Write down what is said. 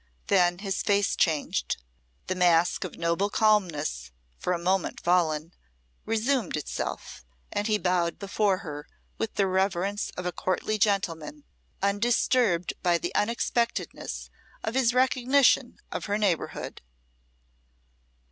Then his face changed; the mask of noble calmness, for a moment fallen, resumed itself, and he bowed before her with the reverence of a courtly gentleman, undisturbed by the unexpectedness of his recognition of her neighbourhood.